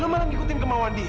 lu malah ngikutin kemauan dia